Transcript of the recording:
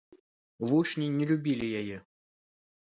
Вучні не любілі яе.